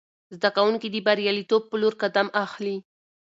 زده کوونکي د بریالیتوب په لور قدم اخلي.